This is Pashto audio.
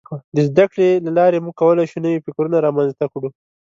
د زدهکړې له لارې موږ کولای شو نوي فکرونه رامنځته کړو.